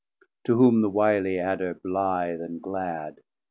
To whom the wilie Adder, blithe and glad.